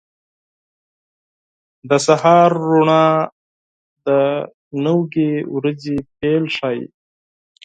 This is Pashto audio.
• د سهار روڼا د نوې ورځې پیل ښيي.